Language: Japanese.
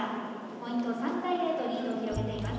ポイント３対０とリードを広げています」。